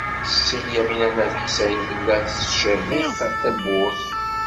Setti Lyamina n At Ḥsayen tella tettcerriq tawwurt.